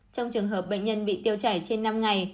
trong trường hợp bệnh nhân bị tiêu chảy trên năm ngày